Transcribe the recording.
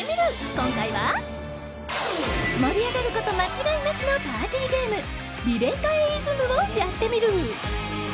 今回は、盛り上がること間違いなしのパーティーゲームリレカエイズムをやってみる。